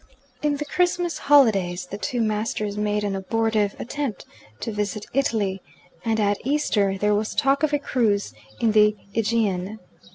In the Christmas holidays the two masters made an abortive attempt to visit Italy, and at Easter there was talk of a cruise in the Aegean.